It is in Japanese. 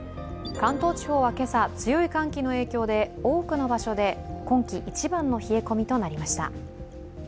関東地方は今朝、強い寒気の影響で多くの場所で今季一番の冷え込みとなりました。